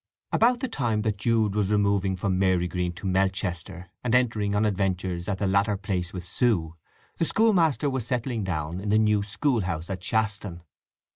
About the time that Jude was removing from Marygreen to Melchester, and entering on adventures at the latter place with Sue, the schoolmaster was settling down in the new school house at Shaston.